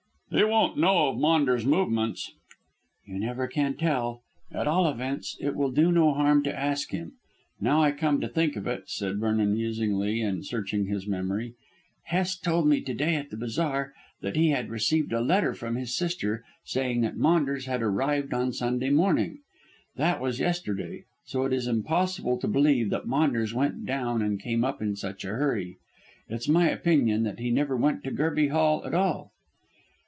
"He won't know of Maunders' movements." "You never can tell. At all events, it will do no harm to ask him. Now I come to think of it," said Vernon musingly and searching his memory, "Hest told me to day at the bazaar that he had received a letter from his sister saying that Maunders had arrived on Sunday morning. That was yesterday, so it is impossible to believe that Maunders went down and came up in such a hurry. It's my opinion that he never went to Gerby Hall at all."